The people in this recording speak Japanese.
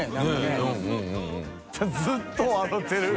ずっと笑ってる